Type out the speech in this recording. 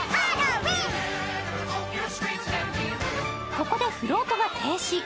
ここでフロートが停止。